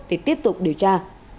để tiếp tục điều tra